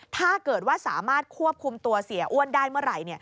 ถ้าเกิดว่าสามารถควบคุมตัวเสียอ้วนได้เมื่อไหร่